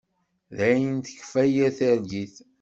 Dayen tekfa yir targit.